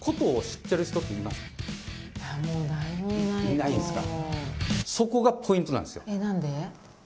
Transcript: いないですか。